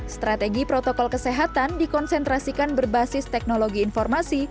strategi protokol kesehatan dikonsentrasikan berbasis teknologi informasi